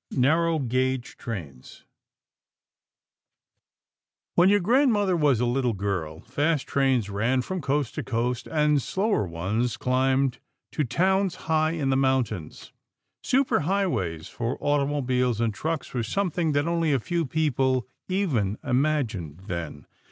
NARROW GAUGE TRAINS When your grandmother was a little girl, fast trains ran from coast to coast and slower ones climbed to towns high in the mountains. Super highways for automobiles and trucks were something that only a few people even imagined then.